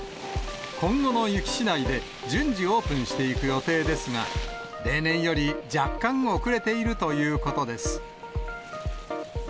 今後の雪しだいで、順次オープンしていく予定ですが、例年より若干遅れているということです。